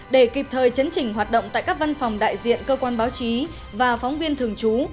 để kịp thời chấn chỉnh hoạt động tại các văn phòng đại diện cơ quan báo chí và phóng viên thường trú